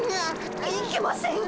いいけません。